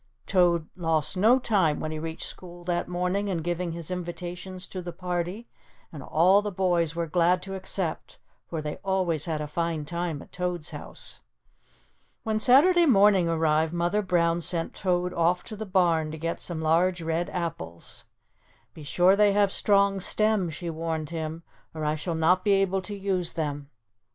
Toad lost no time when he reached school that morning in giving his invitations to the party and all the boys were glad to accept, for they always had a fine time at Toad's house. When Saturday morning arrived, Mother Brown sent Toad off to the barn to get some large red apples. "Be sure they have strong stems," she warned him, "or I shall not be able to use them."